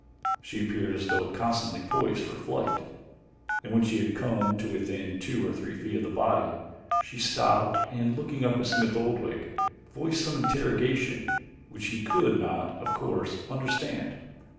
She appeared as though constantly poised for flight, and when she had come to within two or three feet of the body she stopped and, looking up at Smith Oldwick, voiced some interrogation which he could not, of course, understand.